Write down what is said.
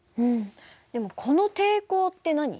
でもこの「抵抗」って何？